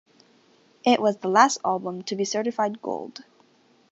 It was the last album to be certified Gold.